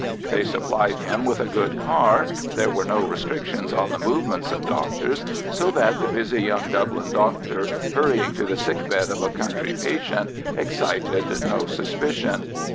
They supplied him with a good car, there were no restrictions on the movements of doctors, so that the busy young Dublin doctor, hurrying to the sick bed of a country patient, excited no suspicion.